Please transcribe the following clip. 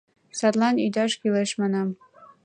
Садлан ӱдаш кӱлеш, манам.